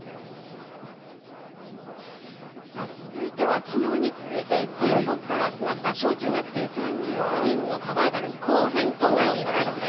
続いては、きのうに続いて、全国から集まった小中学生３９人のサバイバル後編となります。